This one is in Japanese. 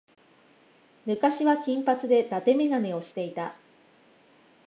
昔は金髪で伊達眼鏡をしていた。